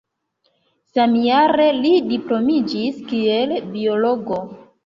Samjare li diplomiĝis kiel biologo.